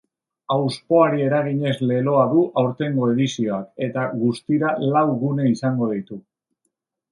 Hauspoari eraginez leloa du aurtengo edizioak eta guztiralau gune izango ditu.